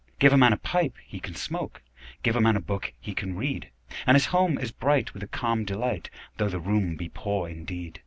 Give a man a pipe he can smoke, 5 Give a man a book he can read: And his home is bright with a calm delight, Though the room be poor indeed.